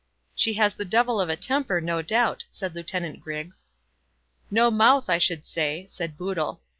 "She has the devil of a temper, no doubt," said Lieutenant Griggs. "No mouth, I should say," said Boodle.